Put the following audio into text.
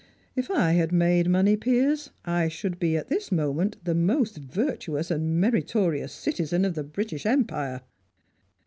If I had made money, Piers, I should be at this moment the most virtuous and meritorious citizen of the British Empire!"